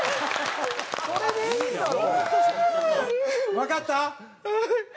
わかった？